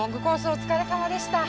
お疲れさまでした。